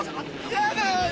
やだよ